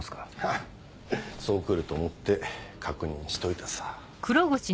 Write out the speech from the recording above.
ハッそう来ると思って確認しといたさ。